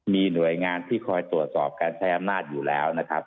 มีหน่วยงานที่คอยตรวจสอบการใช้อำนาจอยู่แล้วนะครับ